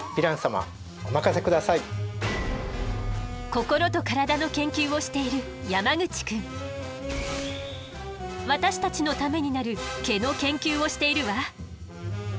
心と体の研究をしている私たちのためになる毛の研究をしているわ。